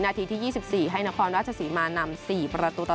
นาทีที่๒๔ให้นครราชศรีมานำ๔ประตูต่อ